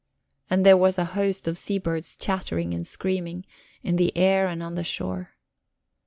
And there was a host of seabirds chattering and screaming, in the air and on the shore.